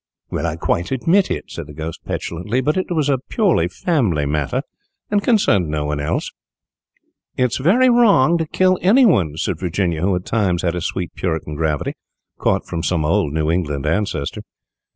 "Well, I quite admit it," said the Ghost, petulantly, "but it was a purely family matter, and concerned no one else." "It is very wrong to kill any one," said Virginia, who at times had a sweet puritan gravity, caught from some old New England ancestor.